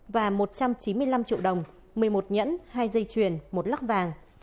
và một trăm chín mươi năm triệu đồng một mươi một nhẫn hai dây chuyền một lắc vàng